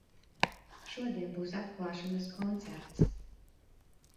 Šodien būs atklāšanas koncerts.